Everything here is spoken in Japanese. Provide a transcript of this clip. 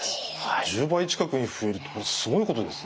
１０倍近くに増えるってこれすごいことですね。